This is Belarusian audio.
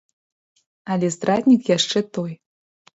Але здраднік яшчэ той.